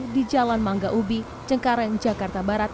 di jalan mangga ubi cengkareng jakarta barat